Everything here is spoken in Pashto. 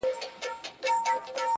ماته ژړا نه راځي کله چي را یاد کړم هغه.